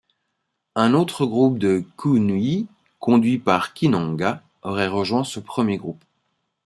Un autre groupe de Kunyi, conduit par Kinanga, aurait rejoint ce premier groupe.